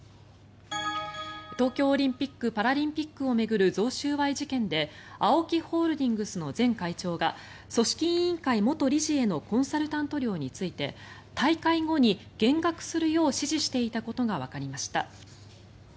東京オリンピック・パラリンピックを巡る贈収賄事件でＡＯＫＩホールディングスの前会長が組織委員会元理事へのコンサルタント料について大会後に減額するよう指示していたことがわかりました。